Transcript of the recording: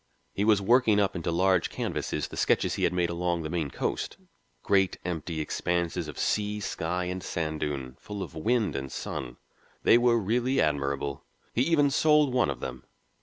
He was working up into large canvases the sketches he had made along the Maine coast, great, empty expanses of sea, sky, and sand dune, full of wind and sun. They were really admirable. He even sold one of them.